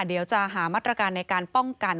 เดี๋ยวจะหามาตรการในการป้องกัน